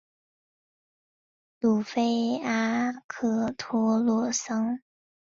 鲁菲阿克托洛桑。